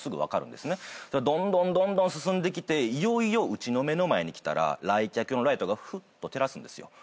どんどんどんどん進んできていよいようちの目の前に来たら来客用のライトがフッと照らすんですよ。